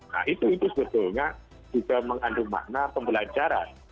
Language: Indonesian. nah itu sebetulnya juga mengandung makna pembelajaran